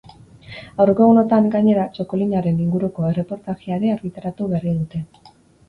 Aurreko egunotan, gainera, txakolinaren inguruko erreportajea ere argitaratu berri dute.